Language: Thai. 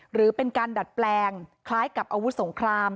หรือเป็นการดัดแปลงคล้ายกับอาวุธสงคราม